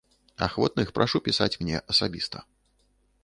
Ахвотных прашу пісаць мне асабіста.